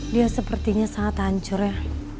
dia sepertinya sangat hancur ya